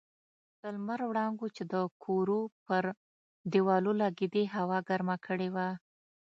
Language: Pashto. د لمر وړانګو چې د کورو پر دېوالو لګېدې هوا ګرمه کړې وه.